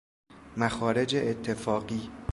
مخارج اتفاقی